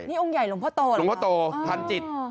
นี่องค์ใหญ่หลวงพ่อโตหลวงพ่อโตทันจิต